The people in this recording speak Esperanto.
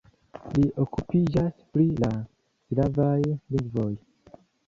Li okupiĝas pri la slavaj lingvoj.